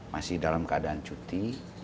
masih dalam keadaan cuti